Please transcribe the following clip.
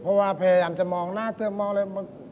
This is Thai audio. เพราะว่าพยายามจะมองหน้าเธอมองอะไร